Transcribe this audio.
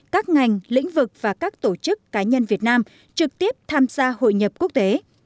các ngành lĩnh vực và các tổ chức cá nhân việt nam trực tiếp tham gia hội nhập quốc tế